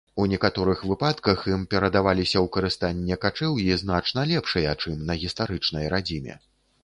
У некаторых выпадках ім перадаваліся ў карыстанне качэўі значна лепшыя, чым на гістарычнай радзіме.